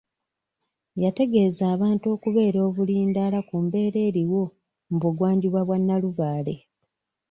Yategeza abantu okubeera obulindaala ku mbeera eriwo mu bugwanjuba bwa Nalubaale.